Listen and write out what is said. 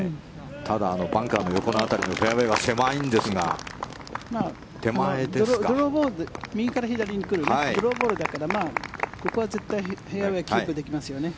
ただバンカーの横の辺りのフェアウェーは狭いんですが右から左に来るドローボールだからここは絶対フェアウェーキープできますよね。